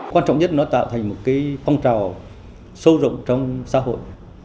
quan trọng nhất là nó tạo thành một phong trào sâu rộng trong xã hội